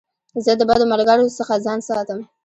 زه د بدو ملګرو څخه ځان ساتم.